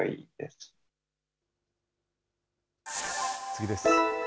次です。